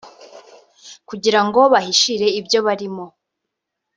kugira ngo bahishire ibyo barimo